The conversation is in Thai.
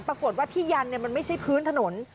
ปรากฏว่าที่ยันมันไม่ใช่พื้นถนน